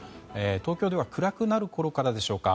東京では暗くなるころからでしょうか。